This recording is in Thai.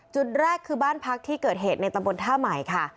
จุดแรกคือบ้านพักที่เกิดเหตุในตำบลท่าใหม่ค่ะ